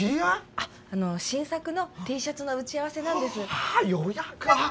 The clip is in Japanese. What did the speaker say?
あっ新作のＴシャツの打ち合わせなんですあっ